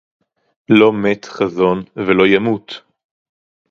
לֹא מֵת חָזוֹן וְלֹא יָמוּת